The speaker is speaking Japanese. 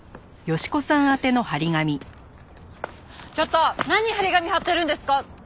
ちょっと何貼り紙貼ってるんですか。